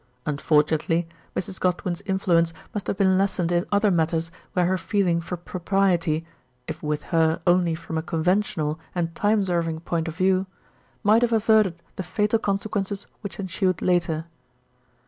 Unfortu nately, Mrs. Godwin's influence must have been les sened in other matters where her feeling for propriety, if with her only from a conventional and time serving point of view, might have averted the fatal conse quences which ensued later.